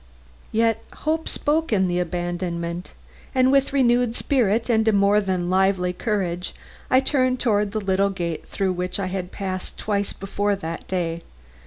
Yet hope spoke in the abandonment; and with renewed spirit and a more than lively courage, I turned toward the little gate through which I had passed twice before that day.